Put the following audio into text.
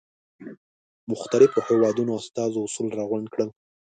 مختلفو هېوادونو استازو اصول را غونډ کړل.